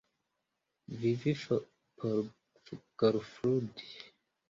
Vivi por golfludi?